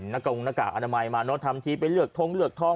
นักกรงกากอนามัยมาเนอะทำทีไปเหลือกท้องเหลือกทอง